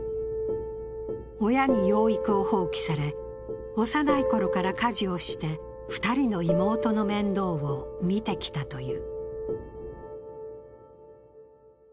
親に養育を放棄され、幼い頃から家事をして２人の妹の面倒を見てきたという。